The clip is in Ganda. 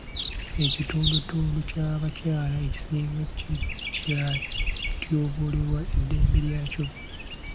Ekitundutundu ky'abakyala ekisinga kikyatyoboolebwa eddembe lyakyo.